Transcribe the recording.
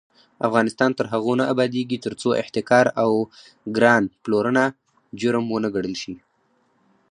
افغانستان تر هغو نه ابادیږي، ترڅو احتکار او ګران پلورنه جرم ونه ګڼل شي.